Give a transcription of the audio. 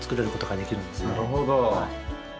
なるほど。